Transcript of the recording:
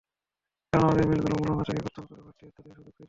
কারণ, আমাদের মিলগুলোর মুনাফা থেকে কর্তন করে বাড়তি অর্থ দেওয়ার সুযোগ ছিল।